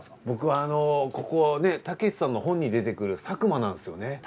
僕はここねたけしさんの本に出てくるさくまなんですよね。